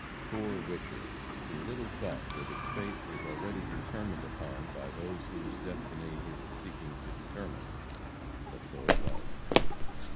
Poor Whicher! he little thought that his fate was already determined upon by those whose destiny he was seeking to determine. But so it was.